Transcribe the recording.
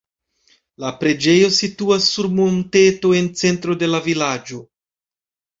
La preĝejo situas sur monteto en centro de la vilaĝo.